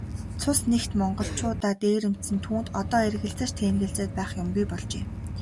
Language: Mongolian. Цус нэгт монголчуудаа дээрэмдсэн түүнд одоо эргэлзэж тээнэгэлзээд байх юмгүй болжээ.